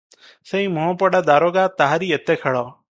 ସେହି ମୁହଁପୋଡ଼ା ଦାରୋଗା; ତାହାରି ଏତେ ଖେଳ ।